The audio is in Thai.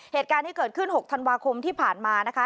เหตุการณ์ที่เกิดขึ้น๖ธันวาคมที่ผ่านมานะคะ